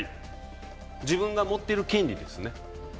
自分が持ってる権利ですね。